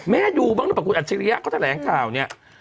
ดูบ้างหรือเปล่าคุณอัจฉริยะเขาแถลงข่าวเนี่ย